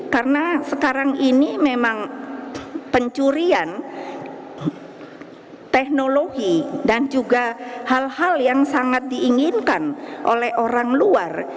karena sekarang ini memang pencurian teknologi dan juga hal hal yang sangat diinginkan oleh orang luar